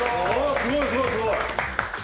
すごいすごいすごい！